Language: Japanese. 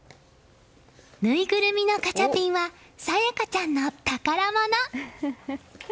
ぬいぐるみのガチャピンは紗佳ちゃんの宝物。